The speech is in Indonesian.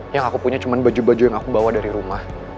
yang aku punya cuma baju baju yang aku bawa dari rumah